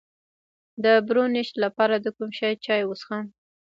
د برونشیت لپاره د کوم شي چای وڅښم؟